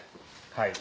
はい。